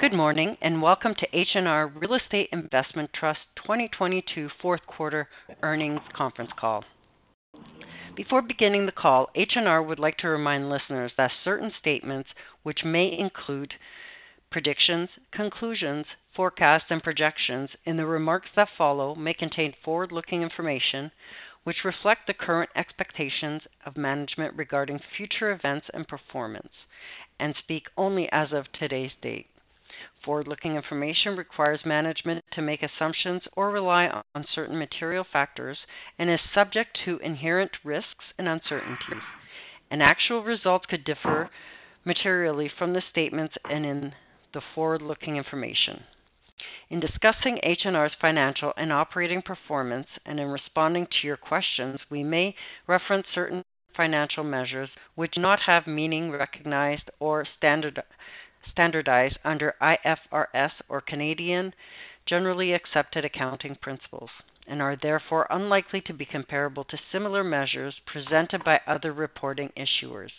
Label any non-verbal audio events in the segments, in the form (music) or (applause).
Good morning. Welcome to H&R Real Estate Investment Trust 2022 Fourth Quarter Earnings Conference Call. Before beginning the call, H&R would like to remind listeners that certain statements which may include predictions, conclusions, forecasts, and projections in the remarks that follow may contain forward-looking information which reflect the current expectations of management regarding future events and performance and speak only as of today's date. Forward-looking information requires management to make assumptions or rely on certain material factors and is subject to inherent risks and uncertainties. An actual result could differ materially from the statements and in the forward-looking information. In discussing H&R's financial and operating performance and in responding to your questions, we may reference certain financial measures which do not have meaning recognized or standardized under IFRS or Canadian Generally Accepted Accounting Principles and are therefore unlikely to be comparable to similar measures presented by other reporting issuers.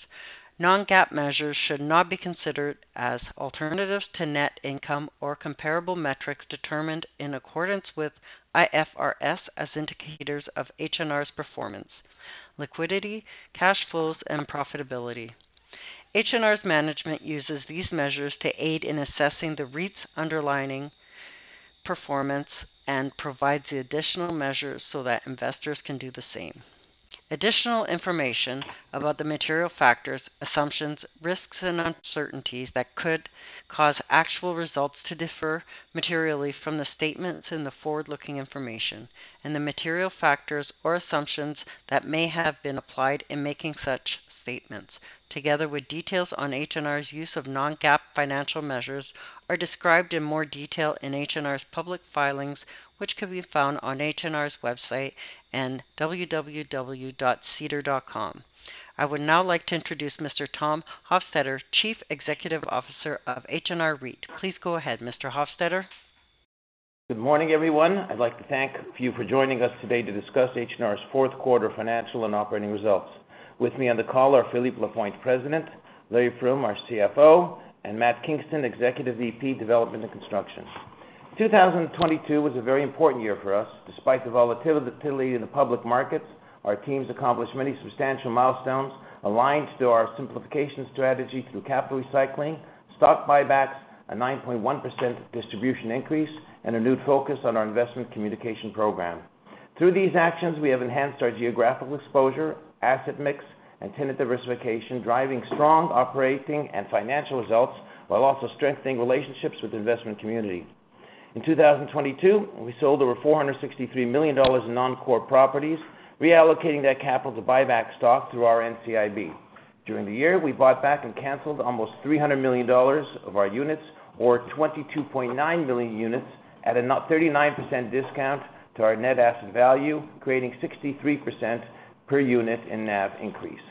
Non-GAAP measures should not be considered as alternatives to net income or comparable metrics determined in accordance with IFRS as indicators of H&R's performance, liquidity, cash flows, and profitability. H&R's management uses these measures to aid in assessing the REIT's underlying performance and provides the additional measures so that investors can do the same. Additional information about the material factors, assumptions, risks, and uncertainties that could cause actual results to differ materially from the statements in the forward-looking information and the material factors or assumptions that may have been applied in making such statements, together with details on H&R's use of non-GAAP financial measures, are described in more detail in H&R's public filings, which can be found on H&R's website and www.sedar.com. I would now like to introduce Mr. Tom Hofstedter, Chief Executive Officer of H&R REIT. Please go ahead, Mr. Hofstedter. Good morning, everyone. I'd like to thank you for joining us today to discuss H&R's fourth quarter financial and operating results. With me on the call are Philippe Lapointe, President; Larry Froom, our CFO; and Matt Kingston, Executive VP, Development and Construction. 2022 was a very important year for us. Despite the volatility in the public markets, our teams accomplished many substantial milestones aligned to our simplification strategy through capital recycling, stock buybacks, a 9.1% distribution increase, and a renewed focus on our investment communication program. Through these actions, we have enhanced our geographical exposure, asset mix, and tenant diversification, driving strong operating and financial results while also strengthening relationships with the investment community. In 2022, we sold over 463 million dollars in non-core properties, reallocating that capital to buy back stock through our NCIB. During the year, we bought back and canceled almost 300 million dollars of our units or 22.9 million units at a 39% discount to our net asset value, creating 63% per unit in NAV increase.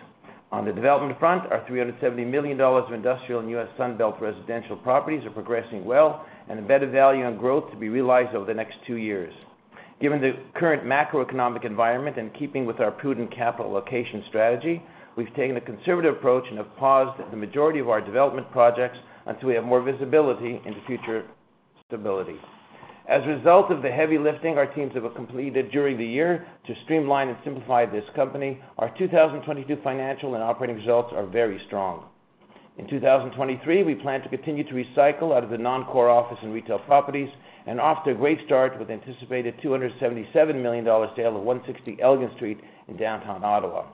On the development front, our 370 million dollars of industrial and U.S. Sun Belt residential properties are progressing well, and embedded value on growth to be realized over the next two years. Given the current macroeconomic environment and keeping with our prudent capital allocation strategy, we've taken a conservative approach and have paused the majority of our development projects until we have more visibility into future stability. As a result of the heavy lifting our teams have completed during the year to streamline and simplify this company, our 2022 financial and operating results are very strong. In 2023, we plan to continue to recycle out of the non-core office and retail properties and off to a great start with anticipated 277 million dollar sale of 160 Elgin Street in downtown Ottawa,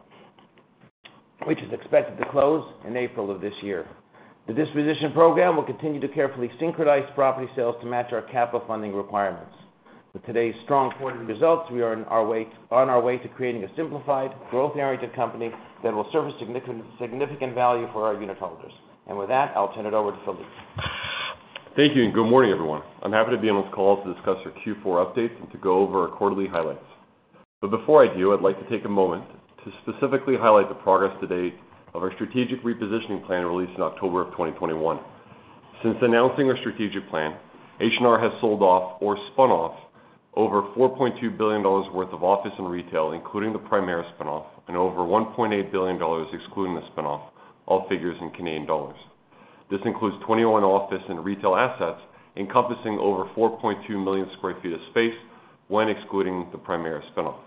which is expected to close in April of this year. The disposition program will continue to carefully synchronize property sales to match our capital funding requirements. With today's strong quarter results, we are on our way to creating a simplified growth-oriented company that will serve as significant value for our unitholders. With that, I'll turn it over to Philippe. Thank you. Good morning, everyone. I'm happy to be on this call to discuss our Q4 updates and to go over our quarterly highlights. I'd like to take a moment to specifically highlight the progress to date of our strategic repositioning plan released in October of 2021. Since announcing our strategic plan, H&R has sold off or spun off over 4.2 billion dollars worth of office and retail, including the Primaris spin-off, and over 1.8 billion dollars, excluding the spin-off, all figures in Canadian dollars. This includes 21 office and retail assets encompassing over 4.2 million sq. ft. of space when excluding the Primaris spin-off.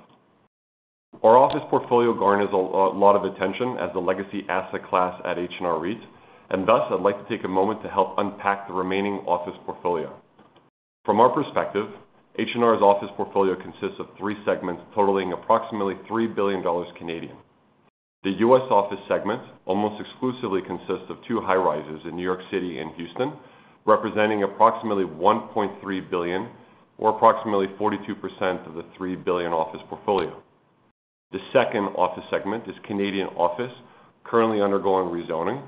Our office portfolio garners a lot of attention as the legacy asset class at H&R REIT, and thus I'd like to take a moment to help unpack the remaining office portfolio. From our perspective, H&R's office portfolio consists of three segments totaling approximately 3 billion Canadian dollars. The U.S. office segment almost exclusively consists of two high-rises in New York City and Houston, representing approximately 1.3 billion or approximately 42% of the 3 billion office portfolio. The second office segment is Canadian office, currently undergoing rezoning,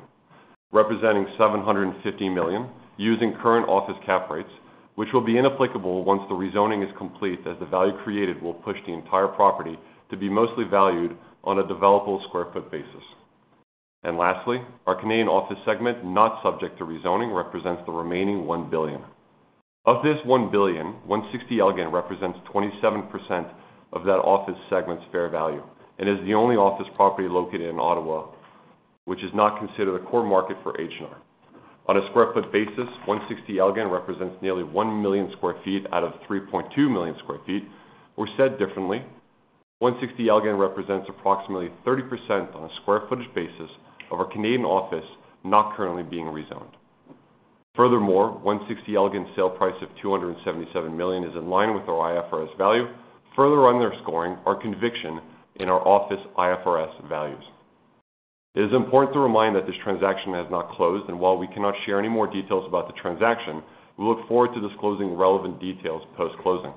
representing 750 million using current office cap rates, which will be inapplicable once the rezoning is complete, as the value created will push the entire property to be mostly valued on a developable square foot basis. Lastly, our Canadian office segment, not subject to rezoning, represents the remaining 1 billion. Of this 1 billion, 160 Elgin represents 27% of that office segment's fair value and is the only office property located in Ottawa, which is not considered a core market for H&R. On a square foot basis, 160 Elgin represents nearly 1 million sq. ft. out of 3.2 million sq. ft., or said differently, 160 Elgin represents approximately 30% on a square footage basis of our Canadian office not currently being rezoned. 160 Elgin sale price of 277 million is in line with our IFRS value, further underscoring our conviction in our office IFRS values. It is important to remind that this transaction has not closed, and while we cannot share any more details about the transaction, we look forward to disclosing relevant details post-closing.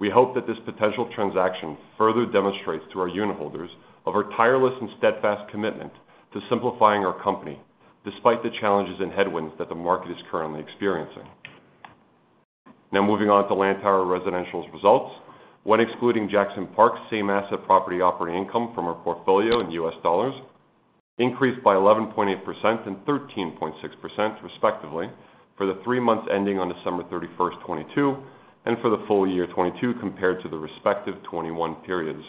We hope that this potential transaction further demonstrates to our unitholders of our tireless and steadfast commitment to simplifying our company despite the challenges and headwinds that the market is currently experiencing. Moving on to Lantower Residential's results. When excluding Jackson Park, same asset property operating income from our portfolio in U.S. dollars increased by 11.8% and 13.6% respectively for the 3 months ending on December 31, 2022, and for the full year 2022 compared to the respective 2021 periods.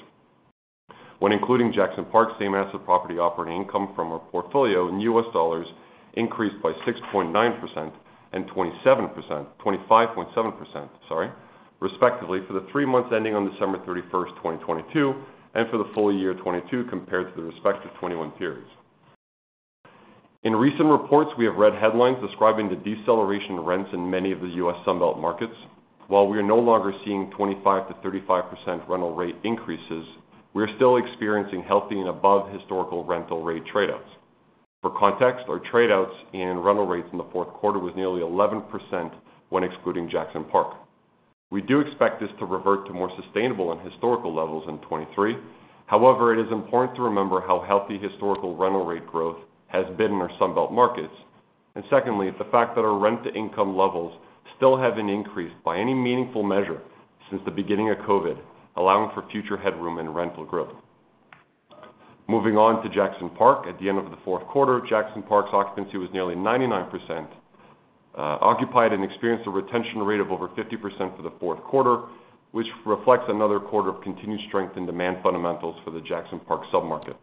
When including Jackson Park, same asset property operating income from our portfolio in U.S. dollars increased by 6.9% and 25.7% respectively, for the 3 months ending on December 31, 2022, and for the full year 2022 compared to the respective 2021 periods. In recent reports, we have read headlines describing the deceleration rents in many of the U.S. Sun Belt markets. While we are no longer seeing 25%-35% rental rate increases, we are still experiencing healthy and above historical rental rate trade outs. For context, our trade outs and rental rates in the fourth quarter was nearly 11% when excluding Jackson Park. We do expect this to revert to more sustainable and historical levels in 2023. However, it is important to remember how healthy historical rental rate growth has been in our Sun Belt markets. Secondly, the fact that our rent-to-income levels still have been increased by any meaningful measure since the beginning of COVID, allowing for future headroom and rental growth. Moving on to Jackson Park. At the end of the fourth quarter, Jackson Park's occupancy was nearly 99% occupied and experienced a retention rate of over 50% for the fourth quarter, which reflects another quarter of continued strength in demand fundamentals for the Jackson Park sub-market.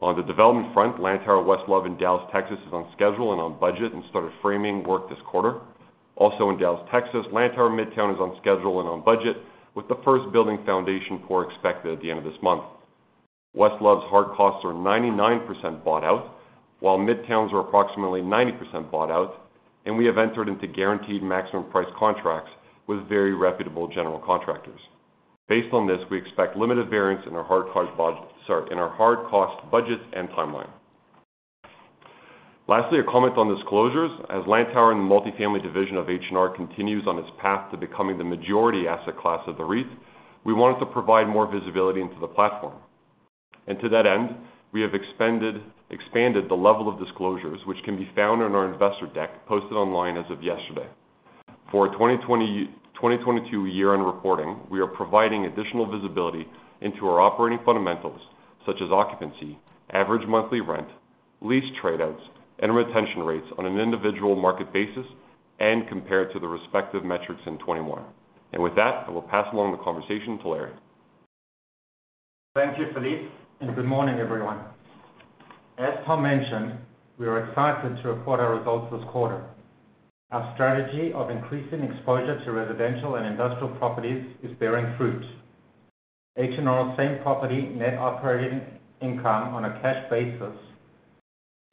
On the development front, Lantower West Love in Dallas, Texas, is on schedule and on budget and started framing work this quarter. Also in Dallas, Texas, Lantower Midtown is on schedule and on budget, with the first building foundation core expected at the end of this month. West Love's hard costs are 99% bought out, while Midtown's are approximately 90% bought out, and we have entered into guaranteed maximum price contracts with very reputable general contractors. Based on this, we expect limited variance in our hard cost budget and timeline. Lastly, a comment on disclosures. As Lantower and the multifamily division of H&R continues on its path to becoming the majority asset class of the REIT, we wanted to provide more visibility into the platform. To that end, we have expanded the level of disclosures, which can be found on our investor deck posted online as of yesterday. For our 2022 year-end reporting, we are providing additional visibility into our operating fundamentals, such as occupancy, average monthly rent, lease trade outs, and retention rates on an individual market basis and compared to the respective metrics in 2021. With that, I will pass along the conversation to Larry. Thank you, Philippe, and good morning, everyone. As Tom mentioned, we are excited to report our results this quarter. Our strategy of increasing exposure to residential and industrial properties is bearing fruit. H&R same-property net operating income on a cash basis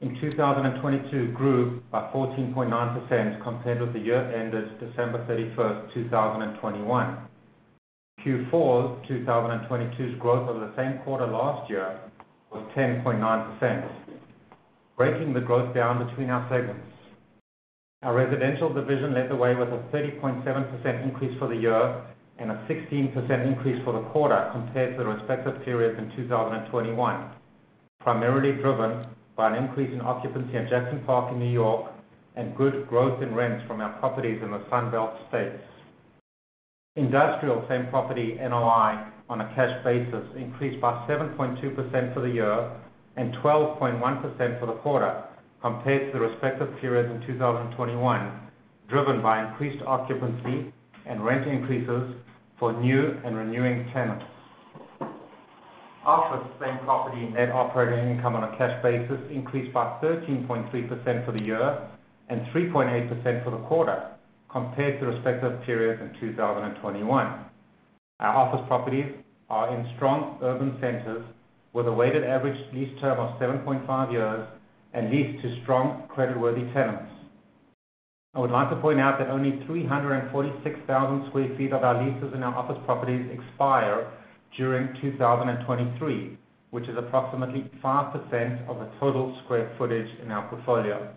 in 2022 grew by 14.9% compared with the year ended December 31, 2021. Q4 2022's growth over the same quarter last year was 10.9%. Breaking the growth down between our segments. Our residential division led the way with a 30.7% increase for the year and a 16% increase for the quarter compared to the respective periods in 2021, primarily driven by an increase in occupancy at Jackson Park in New York and good growth in rents from our properties in the Sun Belt states. Industrial same-property NOI on a cash basis increased by 7.2% for the year and 12.1% for the quarter compared to the respective periods in 2021, driven by increased occupancy and rent increases for new and renewing tenants. Office same-property net operating income on a cash basis increased by 13.3% for the year and 3.8% for the quarter compared to respective periods in 2021. Our office properties are in strong urban centers with a weighted average lease term of 7.5 years and leased to strong creditworthy tenants. I would like to point out that only 346,000 sq. ft. of our leases in our office properties expire during 2023, which is approximately 5% of the total square footage in our portfolio.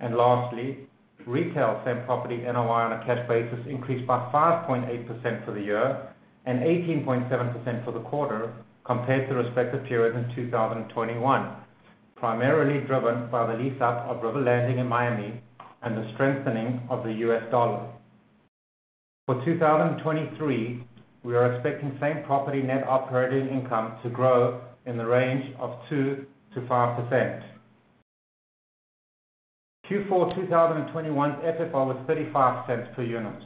Lastly, retail same-property NOI on a cash basis increased by 5.8% for the year and 18.7% for the quarter compared to respective periods in 2021, primarily driven by the lease up of River Landing in Miami and the strengthening of the U.S. dollar. For 2023, we are expecting same-property net operating income to grow in the range of 2%-5%. Q4 2021 FFO was 0.35 dollar per unit.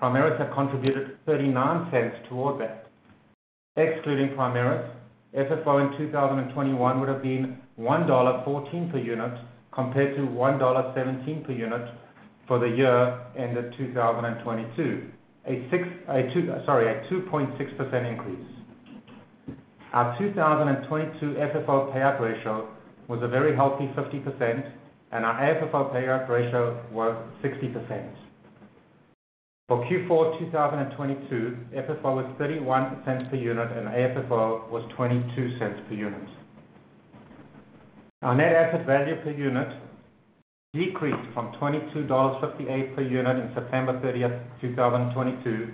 Primaris had contributed 0.10 towards that. Excluding Primaris, FFO in Q4 2021 would have been 0.25 dollar per unit compared to the CAD 0.31 to units for Q4 2022, a 24% increase. For 2021, FFO was CAD 1.53 per unit. Primaris had contributed CAD 0.39 toward that. Excluding Primaris, FFO in 2021 would have been $1.14 per unit compared to $1.17 per unit for the year ended 2022. A 2.6% increase. Our 2022 FFO payout ratio was a very healthy 50%, and our AFFO payout ratio was 60%. For Q4 2022, FFO was $0.31 per unit and AFFO was $0.22 per unit. Our net asset value per unit decreased from $22.58 per unit in September 30th, 2022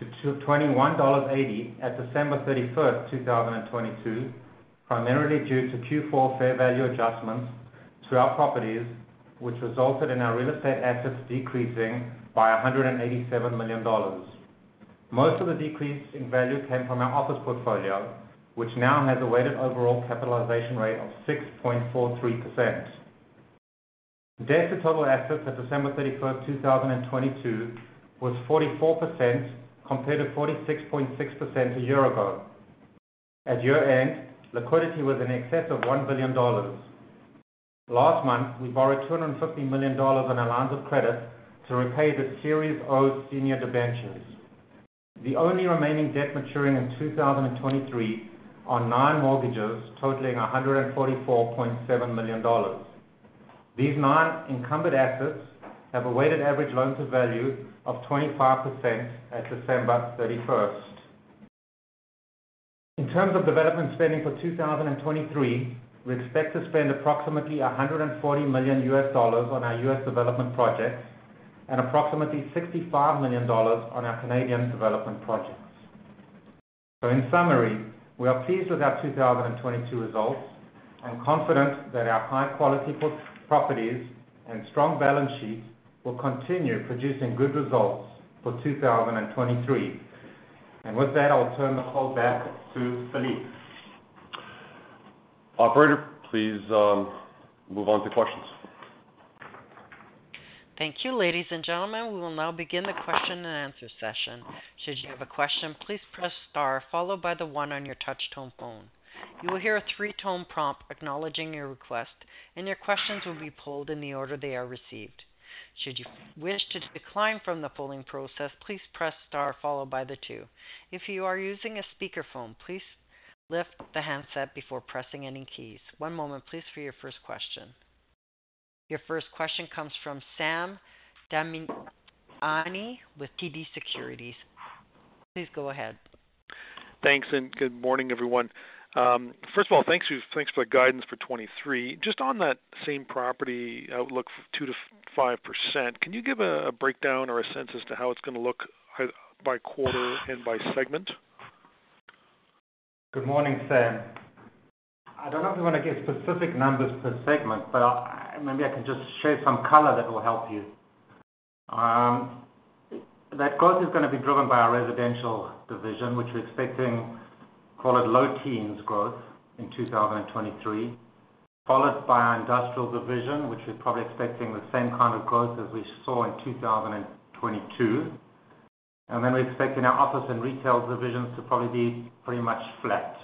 to $21.80 at December 31st, 2022, primarily due to Q4 fair value adjustments to our properties, which resulted in our real estate assets decreasing by $187 million. Most of the decrease in value came from our office portfolio, which now has a weighted overall capitalization rate of 6.43%. Debt to total assets at December 31, 2022 was 44% compared to 46.6% a year ago. At year-end, liquidity was in excess of 1 billion dollars. Last month, we borrowed 250 million dollars on our lines of credit to repay the Series O Senior Debentures. The only remaining debt maturing in 2023 are nine mortgages totaling CAD 144.7 million. These nine encumbered assets have a weighted average loan to value of 25% at December 31. In terms of development spending for 2023, we expect to spend approximately $140 million on our U.S. development projects and approximately 65 million dollars on our Canadian development projects. In summary, we are pleased with our 2022 results and confident that our high quality properties and strong balance sheet will continue producing good results for 2023. With that, I'll turn the call back to Philippe. Operator, please, move on to questions. Thank you, ladies and gentlemen. We will now begin the question and answer session. Should you have a question, please press star followed by the one on your touch tone phone. You will hear a three-tone prompt acknowledging your request, and your questions will be pooled in the order they are received. Should you wish to decline from the pooling process, please press star followed by the two. If you are using a speakerphone, please lift the handset before pressing any keys. One moment please for your first question. Your first question comes from Sam Damiani with TD Securities. Please go ahead. Thanks. Good morning, everyone. First of all, thanks for the guidance for 2023. Just on that same-property outlook for 2%-5%, can you give a breakdown or a sense as to how it's gonna look by quarter and by segment? Good morning, Sam. I don't know if we wanna give specific numbers per segment, but maybe I can just share some color that will help you. That growth is gonna be driven by our residential division, which we're expecting, call it low teens growth in 2023, followed by our industrial division, which we're probably expecting the same kind of growth as we saw in 2022. We're expecting our office and retail divisions to probably be pretty much flat.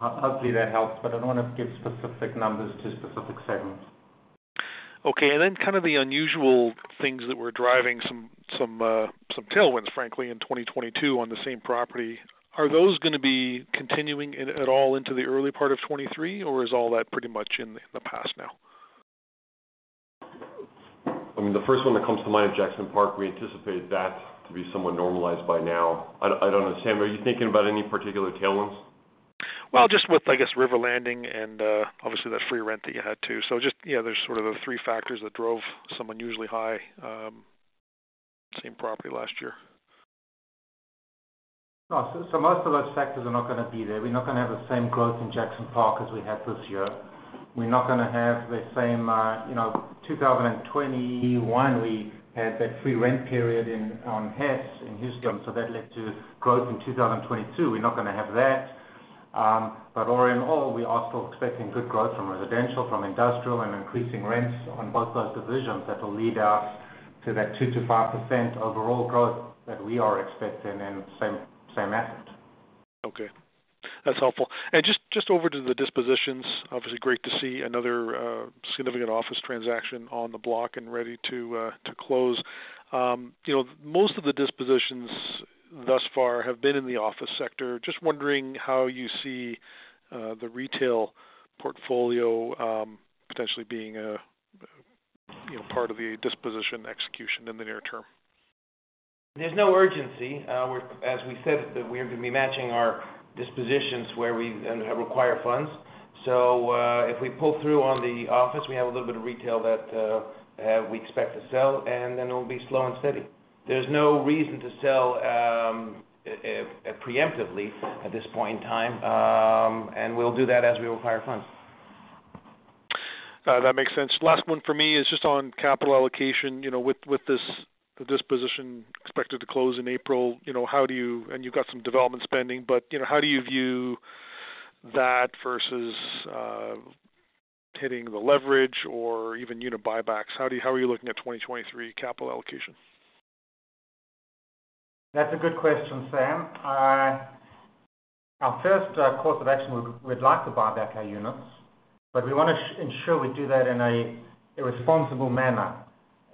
Hopefully, that helps, but I don't wanna give specific numbers to specific segments. Okay. Kind of the unusual things that were driving some tailwinds, frankly, in 2022 on the same-property, are those gonna be continuing in, at all into the early part of 2023, or is all that pretty much in the past now? I mean, the first one that comes to mind, Jackson Park, we anticipate that to be somewhat normalized by now. I don't, I don't understand. Are you thinking about any particular tailwinds? Just with, I guess, River Landing and, obviously that free rent that you had too. Just, yeah, there's sort of the three factors that drove some unusually high, same-property last year. Most of those factors are not gonna be there. We're not gonna have the same growth in Jackson Park as we had this year. We're not gonna have the same, you know, 2021, we had that free rent period in, on Hess Tower in Houston that led to growth in 2022. We're not gonna have that. All in all, we are still expecting good growth from residential, from industrial, and increasing rents on both those divisions that will lead us to that 2%-5% overall growth that we are expecting in same assets. Okay. That's helpful. Just over to the dispositions, obviously, great to see another significant office transaction on the block and ready to close. You know, most of the dispositions thus far have been in the office sector. Just wondering how you see the retail portfolio potentially being You know, part of the disposition execution in the near term. There's no urgency. As we said that we're gonna be matching our dispositions where we require funds. If we pull through on the office, we have a little bit of retail that we expect to sell, and then it'll be slow and steady. There's no reason to sell preemptively at this point in time, and we'll do that as we require funds. That makes sense. Last one for me is just on capital allocation. You know, with this disposition expected to close in April, you know, you've got some development spending, but, you know, how do you view that versus hitting the leverage or even unit buybacks? How are you looking at 2023 capital allocation? That's a good question, Sam. Our first course of action, we'd like to buy back our units, but we wanna ensure we do that in a responsible manner.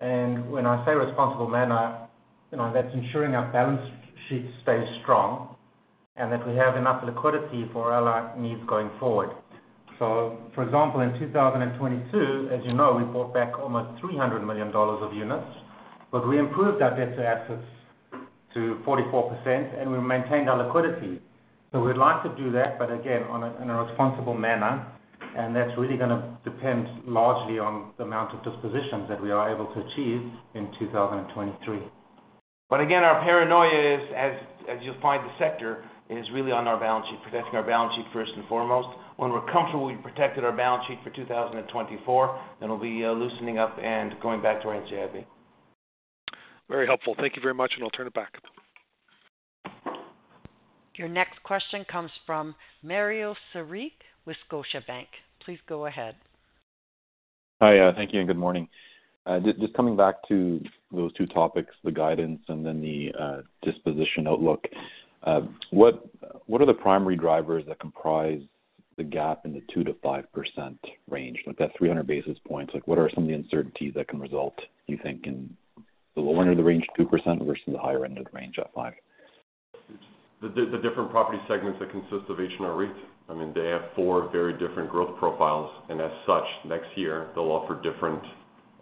When I say responsible manner, you know, that's ensuring our balance sheet stays strong and that we have enough liquidity for our needs going forward. For example, in 2022, as you know, we bought back almost 300 million dollars of units, but we improved our debt to assets to 44%, and we maintained our liquidity. We'd like to do that, but again, in a responsible manner. That's really gonna depend largely on the amount of dispositions that we are able to achieve in 2023. Again, our paranoia is, as you'll find the sector, is really on our balance sheet, protecting our balance sheet first and foremost. When we're comfortable we've protected our balance sheet for 2024, then we'll be loosening up and going back to our Very helpful. Thank you very much, and I'll turn it back. Your next question comes from Mario Saric with Scotiabank. Please go ahead. Hi. Thank you and good morning. Just coming back to those two topics, the guidance and then the disposition outlook, what are the primary drivers that comprise the gap in the 2%-5% range? Like that 300 basis points, like what are some of the uncertainties that can result, you think, in the lower end of the range, 2%, versus the higher end of the range at 5%? The different property segments that consist of H&R REIT. I mean, they have 4 very different growth profiles, and as such, next year they'll offer different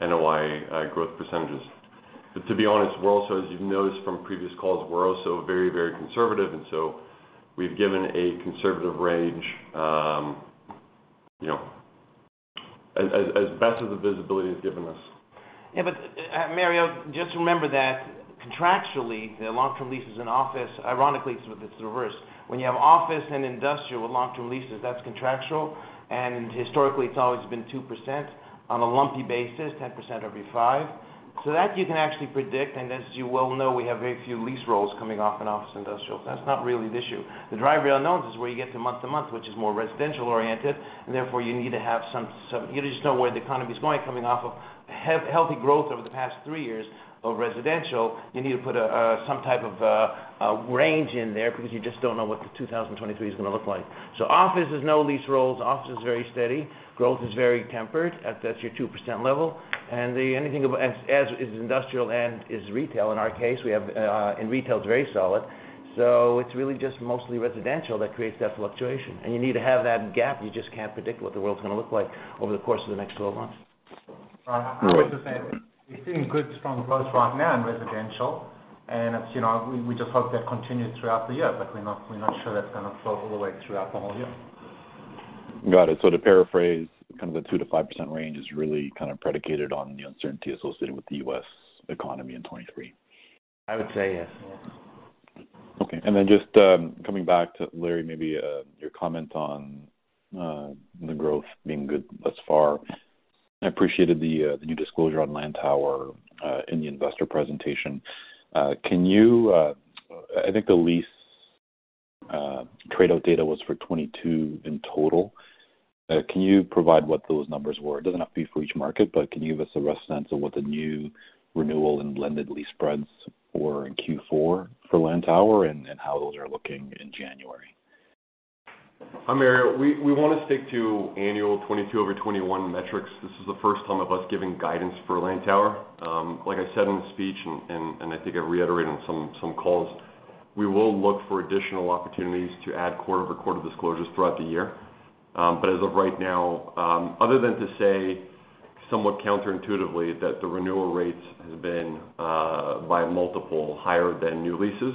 NOI growth %. To be honest, we're also, as you've noticed from previous calls, we're also very conservative, and so we've given a conservative range, you know, as best as the visibility has given us. Mario, just remember that contractually, the long-term leases in office, ironically, it's the reverse. When you have office and industrial with long-term leases, that's contractual, and historically it's always been 2% on a lumpy basis, 10% every 5. That you can actually predict. As you well know, we have very few lease rolls coming off in office industrial. That's not really the issue. The driver unknowns is where you get to month-to-month, which is more residential oriented. Therefore you need to have some, you just know where the economy's going coming off of healthy growth over the past three years of residential. You need to put a some type of range in there because you just don't know what the 2023 is gonna look like. Office is no lease rolls. Office is very steady. Growth is very tempered at, that's your 2% level. The anything as is industrial and is retail, in our case, we have and retail is very solid. It's really just mostly residential that creates that fluctuation. You need to have that gap. You just can't predict what the world's gonna look like over the course of the next 12 months. Right. We're seeing good strong growth right now in residential, and as you know, we just hope that continues throughout the year, but we're not sure that's gonna flow all the way throughout the whole year. Got it. To paraphrase, kind of the 2%-5% range is really kind of predicated on the uncertainty associated with the U.S. economy in 2023. I would say yes. Yeah. Okay. Coming back to Larry Froom, maybe your comment on the growth being good thus far. I appreciated the new disclosure on Lantower in the investor presentation. Can you, I think the lease trade out data was for 2022 in total. Can you provide what those numbers were? It doesn't have to be for each market, but can you give us a rough sense of what the new renewal and blended lease spreads were in Q4 for Lantower and how those are looking in January? Hi, Mario. We wanna stick to annual 2022 over 2021 metrics. This is the first time of us giving guidance for Lantower. Like I said in the speech, and I think I reiterated on some calls, we will look for additional opportunities to add quarter-over-quarter disclosures throughout the year. As of right now, other than to say somewhat counterintuitively that the renewal rates has been by multiple higher than new leases,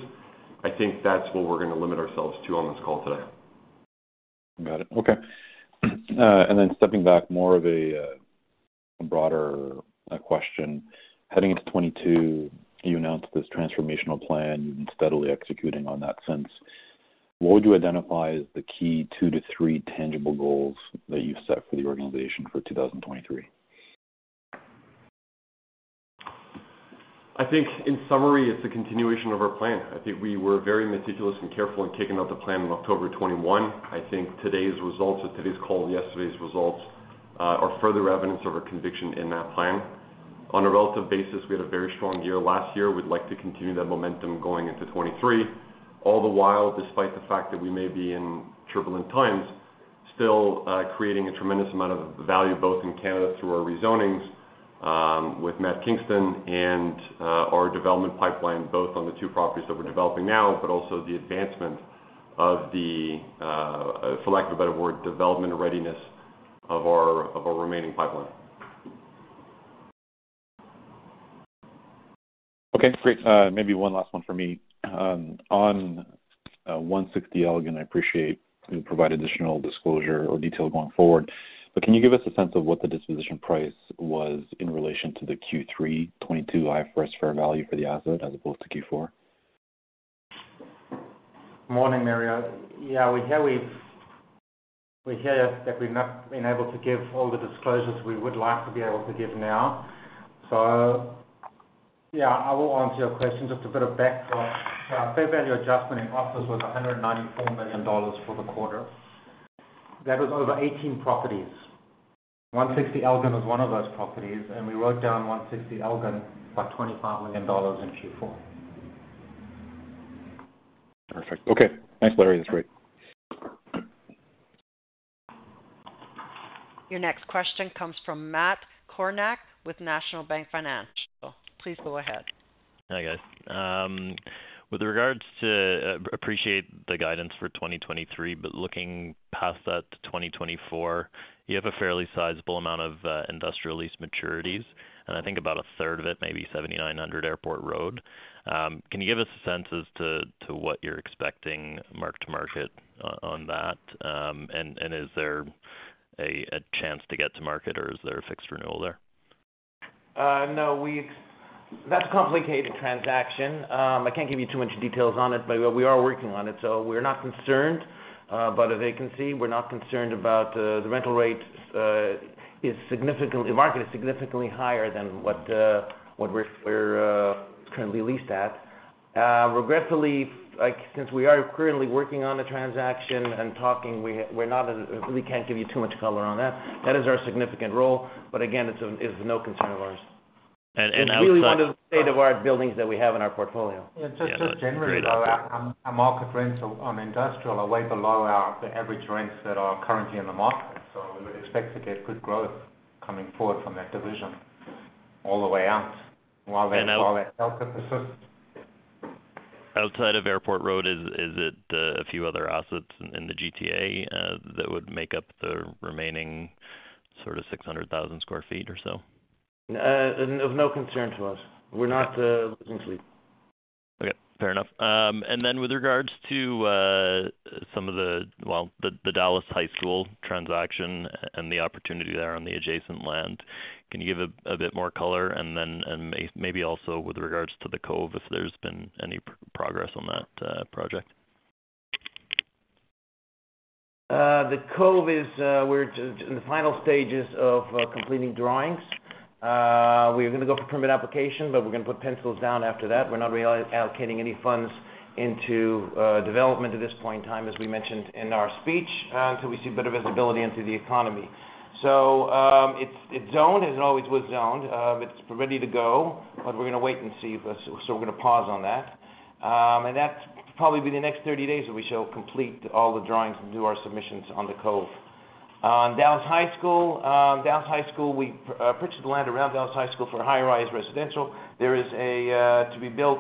I think that's what we're gonna limit ourselves to on this call today. Got it. Okay. Stepping back more of a broader question. Heading into 2022, you announced this transformational plan and steadily executing on that since. What would you identify as the key 2-3 tangible goals that you've set for the organization for 2023? I think in summary, it's a continuation of our plan. I think we were very meticulous and careful in kicking out the plan in October of 2021. I think today's results or today's call, yesterday's results, are further evidence of our conviction in that plan. On a relative basis, we had a very strong year last year. We'd like to continue that momentum going into 2023, all the while, despite the fact that we may be in turbulent times, still, creating a tremendous amount of value both in Canada through our rezonings, with Matt Kingston and our development pipeline, both on the two properties that we're developing now, but also the advancement Of the, for lack of a better word, development readiness of our remaining pipeline. Okay, great. Maybe one last one for me. On 160 Elgin, I appreciate you provide additional disclosure or detail going forward. Can you give us a sense of what the disposition price was in relation to the Q3 2022 IFRS fair value for the asset as opposed to Q4? Morning, Mario. Yeah, we're here. We're here, that we've not been able to give all the disclosures we would like to be able to give now. Yeah, I will answer your question, just a bit of back thought. Our fair value adjustment in office was 194 million dollars for the quarter. That was over 18 properties. 160 Elgin was one of those properties, and we wrote down 160 Elgin for 25 million dollars in Q4. Perfect. Okay. Thanks, Larry. That's great. Your next question comes from Matt Kornack with National Bank Financial. Please go ahead. Hi, guys. With regards to, appreciate the guidance for 2023, but looking past that to 2024, you have a fairly sizable amount of industrial lease maturities, and I think about a third of it, maybe 7,900 Airport Road. Can you give us a sense as to what you're expecting mark to market on that? Is there a chance to get to market, or is there a fixed renewal there? A complicated transaction. I can't give you too much details on it, but we are working on it, so we're not concerned about a vacancy. We're not concerned about the rental rates is significantly-- The market is significantly higher than what we're currently leased at. Regretfully, like, since we are currently working on a transaction and talking, we're not as-- we can't give you too much color on that. That is our significant role. But again, it's no concern of ours And, (crosstalk) and outside- It's really one of the state-of-the-art buildings that we have in our portfolio. Yeah, just generally... Yeah, that's a great article. ...our market rents on industrial are way below the average rents that are currently in the market. We would expect to get good growth coming forward from that division all the way out while that outlook persists. Outside of Airport Road, is it, a few other assets in the GTA, that would make up the remaining sort of 600,000 sq. ft. Or so? of no concern to us. We're not, losing sleep. Okay, fair enough. With regards to some of the, well, the Dallas High School transaction and the opportunity there on the adjacent land, can you give a bit more color? Maybe also with regards to The Cove, if there's been any progress on that project? The Cove is in the final stages of completing drawings. We're gonna go for permit application, but we're gonna put pencils down after that. We're not really allocating any funds into development at this point in time, as we mentioned in our speech, until we see a bit of visibility into the economy. It's zoned, as it always was zoned. It's ready to go, but we're gonna wait and see. We're gonna pause on that. That's probably be the next 30 days, that we shall complete all the drawings and do our submissions on The Cove. On Dallas High School, Dallas High School, we purchased the land around Dallas High School for high-rise residential. There is a to be built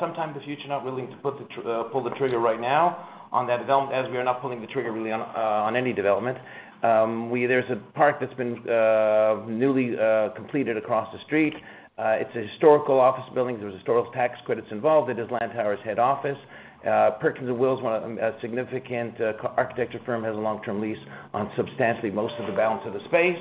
sometime in the future. Not willing to put the pull the trigger right now on that development as we are not pulling the trigger really on any development. there's a park that's been newly completed across the street. it's a historical office building, there's historical tax credits involved. It is Lantower's head office. Perkins & Will, one of them, a significant architecture firm, has a long-term lease on substantially most of the balance of the space.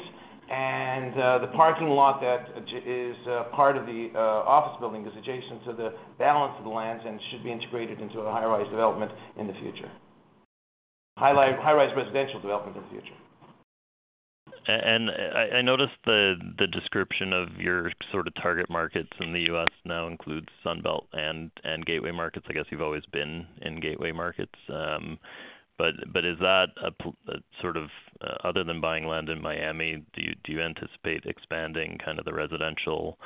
the parking lot that is part of the office building is adjacent to the balance of the lands and should be integrated into a high-rise development in the future. High-rise residential development in the future. I noticed the description of your sort of target markets in the U.S. now includes Sunbelt and gateway markets. I guess you've always been in gateway markets. But is that a sort of, other than buying land in Miami, do you anticipate expanding kind of the residential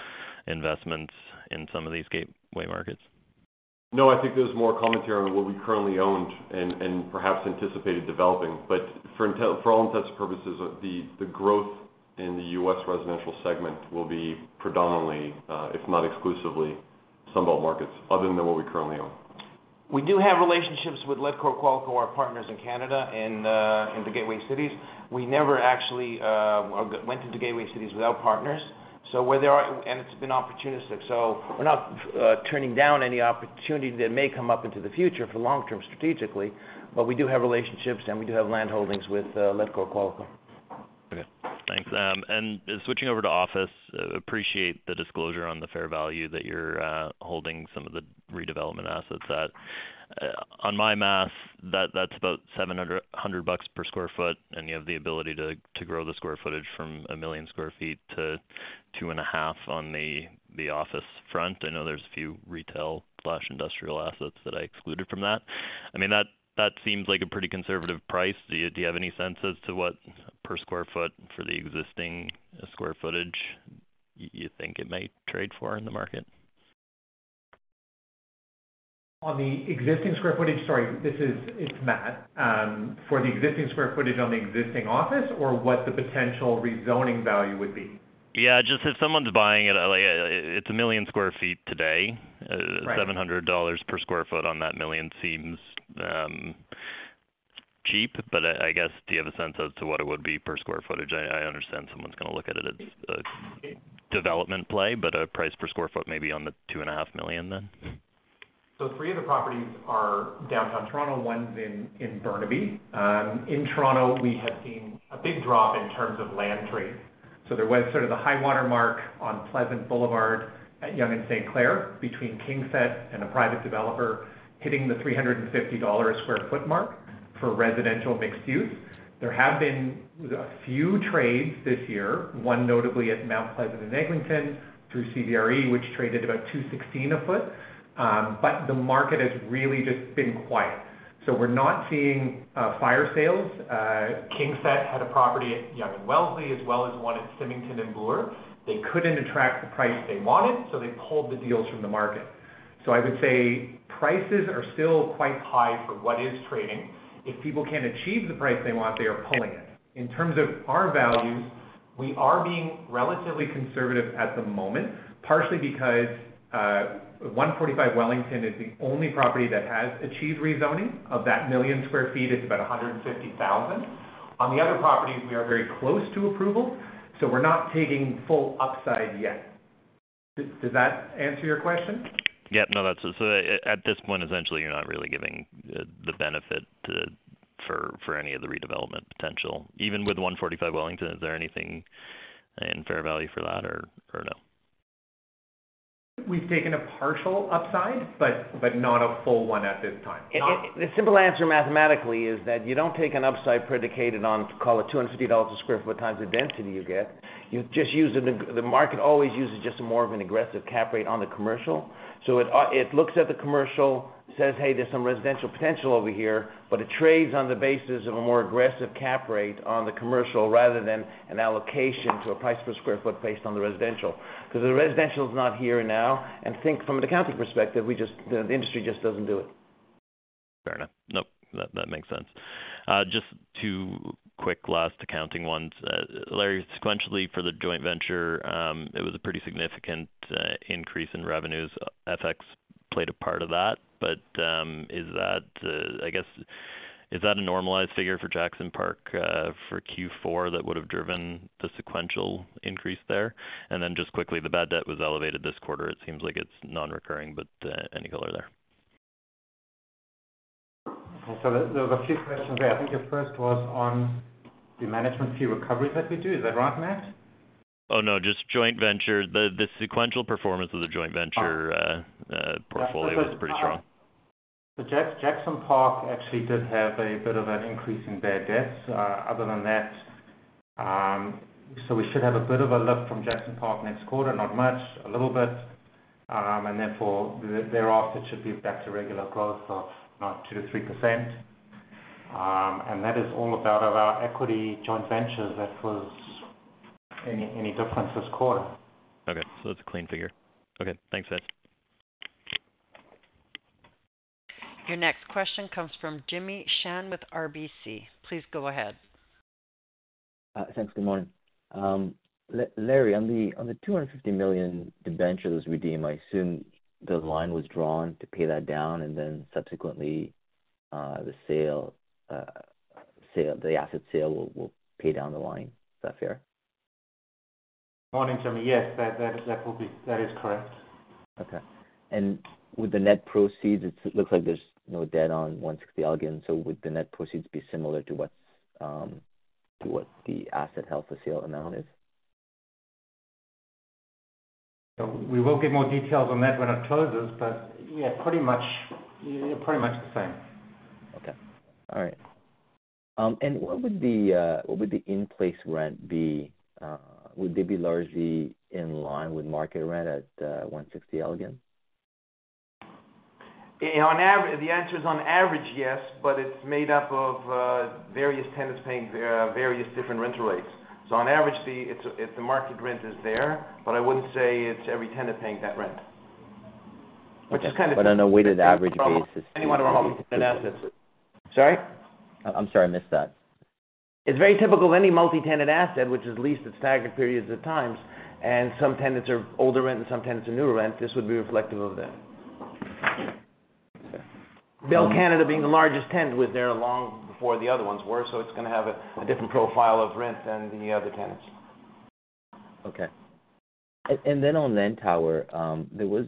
investments in some of these gateway markets? No, I think there's more commentary on what we currently own and perhaps anticipated developing. For all intents and purposes, the growth in the U.S. residential segment will be predominantly, if not exclusively, Sunbelt markets other than what we currently own. We do have relationships with Ledcor, Qualico, our partners in Canada in the gateway cities. We never actually went into gateway cities without partners. It's been opportunistic, so we're not turning down any opportunity that may come up into the future for long-term strategically. We do have relationships, and we do have landholdings with Ledcor, Qualico. Okay, thanks. Switching over to office, appreciate the disclosure on the fair value that you're holding some of the redevelopment assets at. On my math, that's about 700 bucks per sq. ft, and you have the ability to grow the sq. ft. from 1 million sq. ft. to 2.5 on the office front. I know there's a few retail/industrial assets that I excluded from that. I mean, that seems like a pretty conservative price. Do you have any sense as to what per sq. ft. For the existing sq. ft. You think it might trade for in the market? On the existing square footage. Sorry, it's Matt. For the existing square footage on the existing office or what the potential rezoning value would be? Yeah, just if someone's buying it, like, it's 1 million sq. ft. Today. Right. $700 per square foot on that 1 million seems cheap, but I guess, do you have a sense as to what it would be per square footage? I understand someone's gonna look at it as a development play, but a price per square foot maybe on the 2.5 million then? Three of the properties are downtown Toronto, one's in Burnaby. In Toronto, we have seen a big drop in terms of land trade. There was sort of the high water mark on Pleasant Boulevard at Yonge and St. Clair between KingSett and a private developer hitting the 350 dollars a square foot mark for residential mixed use. There have been a few trades this year, one notably at Mount Pleasant and Eglinton through CBRE, which traded about 216 a foot. But the market has really just been quiet. We're not seeing, fire sales. KingSett had a property at Yonge and Wellesley, as well as one at Symington and Bloor. They couldn't attract the price they wanted, so they pulled the deals from the market. I would say prices are still quite high for what is trading. If people can't achieve the price they want, they are pulling it. In terms of our values, we are being relatively conservative at the moment, partially because 145 Wellington is the only property that has achieved rezoning. Of that million sq. ft., it's about 150,000. On the other properties, we are very close to approval, so we're not taking full upside yet. Does that answer your question? No, that's at this point, essentially, you're not really giving the benefit to any of the redevelopment potential. Even with 145 Wellington, is there anything in fair value for that or no? We've taken a partial upside, but not a full one at this time. The simple answer mathematically is that you don't take an upside predicated on, call it CAD 250 a square foot times the density you get. You just use the market always uses just more of an aggressive cap rate on the commercial. It looks at the commercial, says, "Hey, there's some residential potential over here," but it trades on the basis of a more aggressive cap rate on the commercial rather than an allocation to a price per square foot based on the residential. Because the residential is not here now. Think from an accounting perspective, the industry just doesn't do it. Fair enough. Nope, that makes sense. Just 2 quick last accounting ones. Larry, sequentially for the joint venture, it was a pretty significant increase in revenues. FX played a part of that. Is that, I guess, is that a normalized figure for Jackson Park for Q4 that would have driven the sequential increase there? Just quickly, the bad debt was elevated this quarter. It seems like it's non-recurring, but any color there? There was a few questions there. I think your first was on the management fee recovery that we do. Is that right, Matt? Oh, no. Just joint venture. The sequential performance of the joint venture. Oh. portfolio was pretty strong. Jackson Park actually did have a bit of an increase in bad debts. Other than that, we should have a bit of a lift from Jackson Park next quarter, not much, a little bit. Therefore, thereafter, it should be back to regular growth of 2% to 3%. That is all about our equity joint ventures that was any difference this quarter. Okay. It's a clean figure. Okay. Thanks, Ed. Your next question comes from Jimmy Shan with RBC. Please go ahead. Thanks. Good morning. Larry, on the 250 million debentures redeemed, I assume the line was drawn to pay that down, and then subsequently, the sale, the asset sale will pay down the line. Is that fair? Morning to me. Yes, that is correct. Okay. With the net proceeds, it looks like there's no debt on 160 Elgin, so would the net proceeds be similar to what, to what the sale amount is? We will give more details on that when it closes, but yeah, pretty much the same. Okay. All right. What would the in-place rent be? Would they be largely in line with market rent at 160 Elgin? The answer is on average, yes. It's made up of various tenants paying various different rental rates. On average, it's the market rent is there. I wouldn't say it's every tenant paying that rent. Okay. Which is kind of. On a weighted average basis. Anyone of our multi-tenant assets. Sorry? I'm sorry, I missed that. It's very typical of any multi-tenant asset which has leased its staggered periods of times, and some tenants are older rent and some tenants are newer rent, this would be reflective of that. Okay. Bell Canada being the largest tenant was there long before the other ones were, so it's gonna have a different profile of rent than the other tenants. Okay. Then on Lantower, there was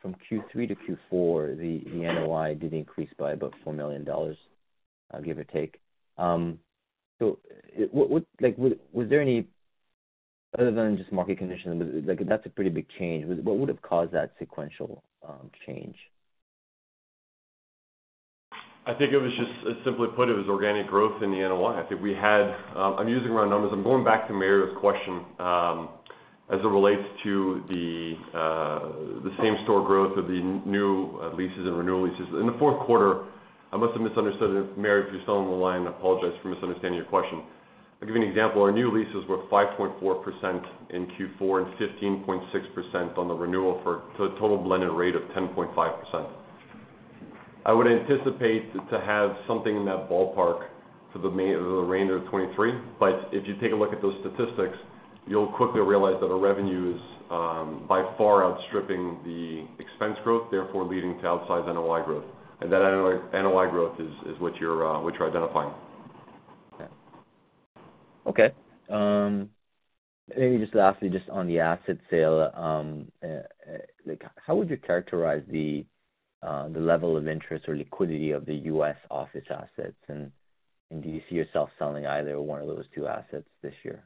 from Q3 to Q4, the NOI did increase by about $4 million, give or take. What, like, was there any other than just market conditions, like that's a pretty big change? What would have caused that sequential change? I think it was just, simply put, it was organic growth in the NOI. I think we had, I'm using round numbers. I'm going back to Mario's question, as it relates to the same store growth of the new leases and renewal leases. In the fourth quarter, I must have misunderstood it. Mary, if you're still on the line, I apologize for misunderstanding your question. I'll give you an example. Our new leases were 5.4% in Q4 and 15.6% on the renewal for a total blended rate of 10.5%. I would anticipate to have something in that ballpark for the remainder of 2023. If you take a look at those statistics, you'll quickly realize that our revenue is by far outstripping the expense growth, therefore leading to outsized NOI growth. That NOI growth is what you're what you're identifying. Okay. Maybe just lastly, just on the asset sale, like how would you characterize the level of interest or liquidity of the U.S. office assets? Do you see yourself selling either one of those two assets this year?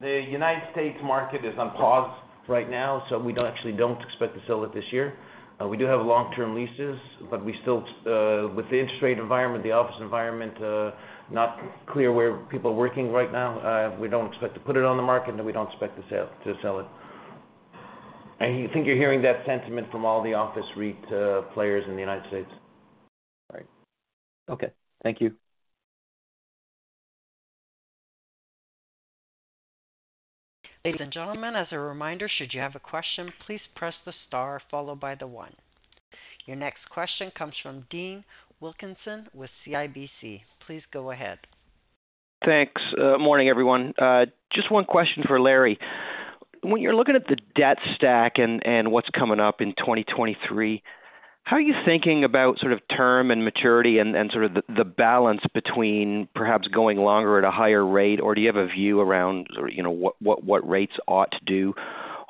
The United States market is on pause right now. We actually don't expect to sell it this year. We do have long-term leases, but we still, with the interest rate environment, the office environment, not clear where people are working right now, we don't expect to put it on the market and we don't expect to sell it. I think you're hearing that sentiment from all the office REIT players in the United States. All right. Okay. Thank you. Ladies and gentlemen, as a reminder, should you have a question, please press the star followed by the one. Your next question comes from Dean Wilkinson with CIBC. Please go ahead. Thanks. Morning, everyone. Just one question for Larry. When you're looking at the debt stack and what's coming up in 2023, how are you thinking about sort of term and maturity and sort of the balance between perhaps going longer at a higher rate? Do you have a view around, or you know, what rates ought to do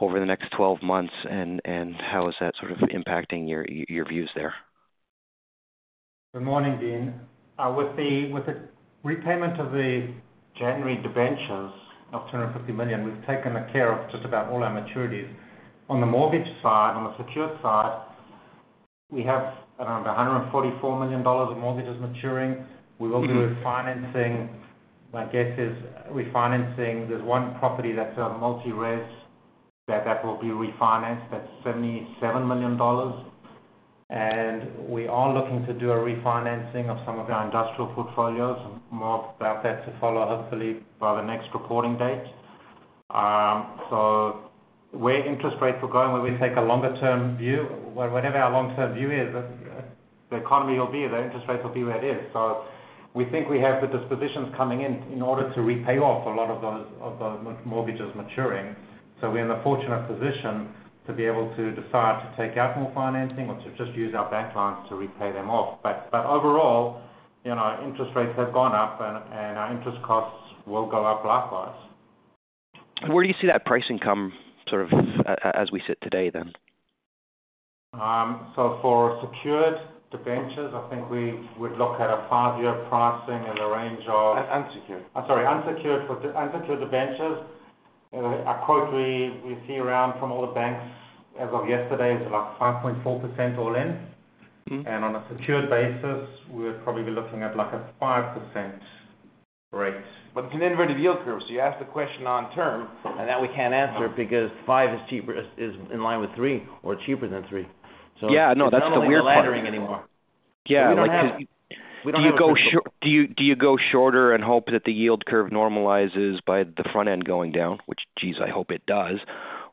over the next 12 months and how is that sort of impacting your views there? Good morning, Dean. With the repayment of the January debentures of 250 million, we've taken the care of just about all our maturities. On the mortgage side, on the secured side, we have around 144 million dollars of mortgages maturing. We will do a refinancing. My guess is refinancing. There's one property that's a multi-res that will be refinanced. That's 77 million dollars. We are looking to do a refinancing of some of our industrial portfolios. More about that to follow, hopefully by the next reporting date. Where interest rates are going, where we take a longer term view, where whatever our long-term view is, the economy will be there, interest rates will be where it is. We think we have the dispositions coming in in order to repay off a lot of those mortgages maturing. We're in the fortunate position to be able to decide to take out more financing or to just use our bank loans to repay them off. Overall, you know, interest rates have gone up, and our interest costs will go up likewise. Where do you see that pricing come sort of as we sit today then? For secured debentures, I think we would look at a five-year pricing in the range. Un-unsecured. I'm sorry, unsecured unsecured debentures, a quote we see around from all the banks as of yesterday is about 5.4% all in. Mm-hmm. On a secured basis, we'd probably be looking at like a 5% rate. It's an inverted yield curve. You ask the question on term, and that we can't answer it because five is cheaper, is in line with three or cheaper than three. Yeah, no, that's the weird part. It's not only the laddering anymore. Yeah. Like, how do you... We don't have a crystal ball. Do you go shorter and hope that the yield curve normalizes by the front end going down? Which, geez, I hope it does.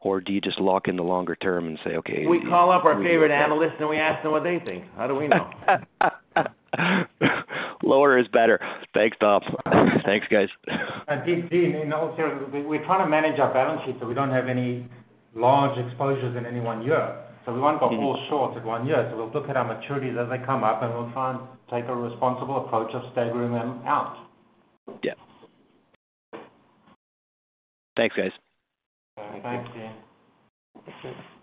Or do you just lock in the longer term and say, "Okay, we be okay. We call up our favorite analyst and we ask them what they think. How do we know? Lower is better. Thanks, Bob. Thanks, guys. Dean, also we're trying to manage our balance sheet, so we don't have any large exposures in any one year. We won't go full short at one year. We'll look at our maturities as they come up, and we'll try and take a responsible approach of staggering them out. Yeah. Thanks, guys. Thank you. Thanks, Dean.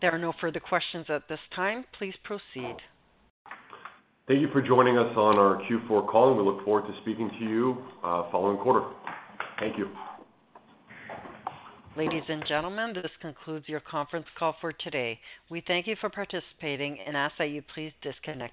There are no further questions at this time. Please proceed. Thank you for joining us on our Q4 call. We look forward to speaking to you, following quarter. Thank you. Ladies and gentlemen, this concludes your conference call for today. We thank you for participating and ask that you please disconnect at this time.